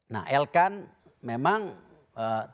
nah elkan memang tidak dilepas sama sekali